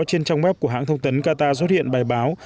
trên trang web của hãng thông tấn qatar xuất hiện bài báo